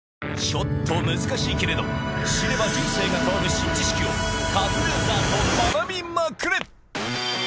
ちょっと難しいけれど、知れば人生が変わる新知識を、カズレーザーと学びまくれ。